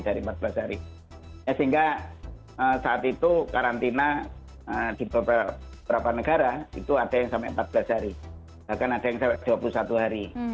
dari empat belas hari sehingga saat itu karantina di beberapa negara itu ada yang sampai empat belas hari bahkan ada yang sampai dua puluh satu hari